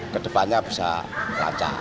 kedepannya bisa lancar